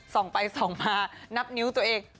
ส่องไปส่องมานับนิ้วตัวเอง